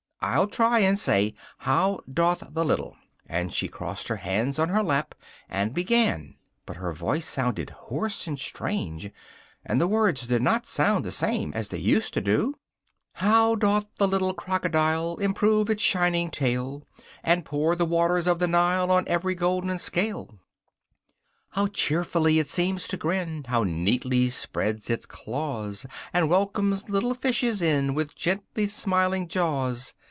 I'll try and say "How doth the little,"" and she crossed her hands on her lap, and began, but her voice sounded hoarse and strange, and the words did not sound the same as they used to do: "How doth the little crocodile Improve its shining tail, And pour the waters of the Nile On every golden scale! "How cheerfully it seems to grin! How neatly spreads its claws! And welcomes little fishes in With gently smiling jaws!"